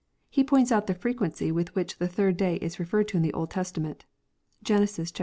He points out the frequency with which the third day is referred to in the Old Testament, (Gen. xxii. 4 ; Hosja vi.